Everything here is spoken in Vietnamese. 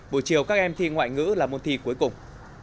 buổi chiều các em thi ngoại ngữ là môn thi cuối cùng